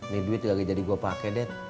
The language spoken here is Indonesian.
nih duit lagi jadi gua pake det